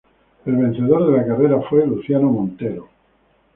El vencedor de la carrera fue Luciano Montero.